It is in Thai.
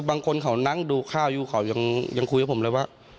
บางคนเขานั่งดูข้าวอยู่เขายังคุยกับผมเลยว่า